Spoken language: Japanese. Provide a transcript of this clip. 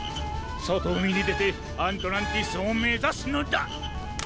そとうみにでてアントランティスをめざすのだ！